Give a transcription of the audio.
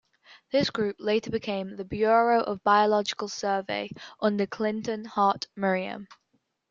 This group later became the Bureau of Biological Survey under Clinton Hart Merriam.